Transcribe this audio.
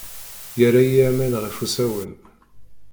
Yerra-iyi aman ɣef usawen.